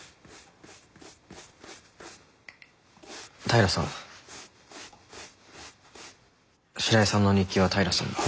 平さん白井さんの日記は平さんが。